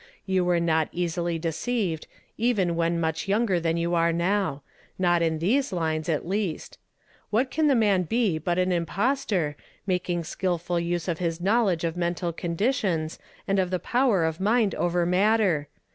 You were not easily de ceived, even when much younger than you are now ; not in these lines, at least. Wliat can the man be but an impostor, making skilful use of hi« knowl edge of mental conditions, and of the i)o\ver of mind over matter?